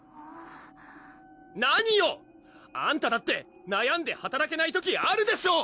なによ！あんただってなやんではたらけない時あるでしょ！